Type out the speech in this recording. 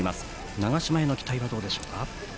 長嶋への期待はどうでしょうか。